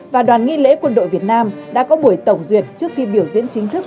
và đoàn nghi lễ quân đội việt nam đã có buổi tổng duyệt trước khi biểu diễn chính thức